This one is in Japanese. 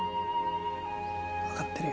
分かってるよ。